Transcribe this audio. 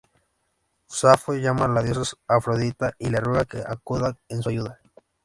Safo llama a la diosa Afrodita y le ruega que acuda en su ayuda.